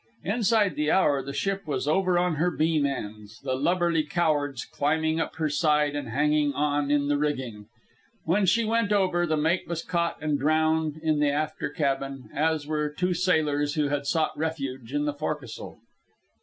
Inside the hour the ship was over on her beam ends, the lubberly cowards climbing up her side and hanging on in the rigging. When she went over, the mate was caught and drowned in the after cabin, as were two sailors who had sought refuge in the forecastle.